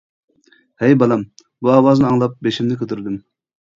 -ھەي بالام بۇ ئاۋازنى ئاڭلاپ بېشىمنى كۆتۈردۈم.